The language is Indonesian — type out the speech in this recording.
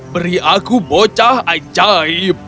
beri aku bocah ajaib